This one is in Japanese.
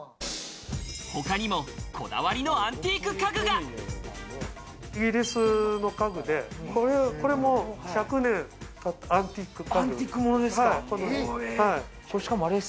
他にもこだわりのアンティーイギリスの家具で、これも１００年たってるアンティーク家具。